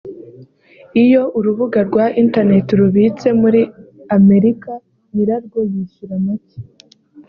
Iyo Urubuga rwa Internet rubitse muri Amerika nyirarwo yishyura make